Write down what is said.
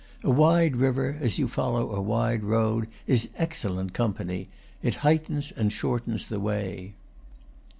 A wide river, as you follow a wide road, is excellent company; it heightens and shortens the way.